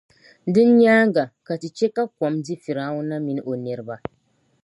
Din nyaaŋa, ka Ti chɛ ka kɔm di Fir’auna mini o niriba.